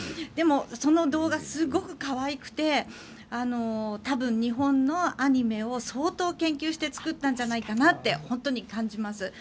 でも、その動画すごく可愛くて多分日本のアニメを相当研究して作ったんじゃないかなって本当に感じます。